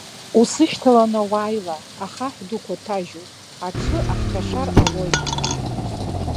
Усышьҭаланы уааила, ахаҳә дукәа ҭажьуп, аҽы ахҟьашар ҟалоит.